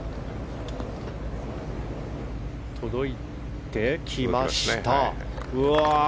届いてきました。